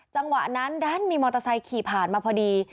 จังหวะนั้นดันมีมอเตอร์ไซค์ขี่ผ่านมาพอดี